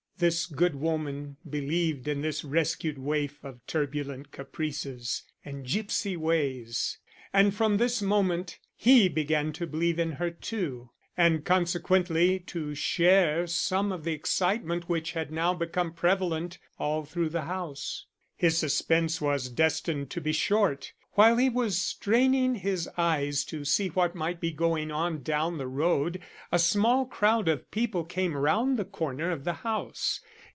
This good woman believed in this rescued waif of turbulent caprices and gipsy ways, and from this moment he began to believe in her too, and consequently to share some of the excitement which had now become prevalent all through the house. His suspense was destined to be short. While he was straining his eyes to see what might be going on down the road, a small crowd of people came round the corner of the house.